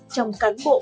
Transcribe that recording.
trong cán bộ